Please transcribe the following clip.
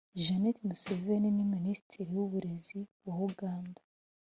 Janet Museveni ni Minisitiri w’ uburezi wa Uganda